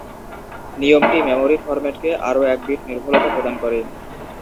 নিয়মটি মেমরি ফরম্যাটকে আরো এক বিট নির্ভুলতা প্রদান করে।